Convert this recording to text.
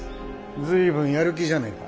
随分やる気じゃないか。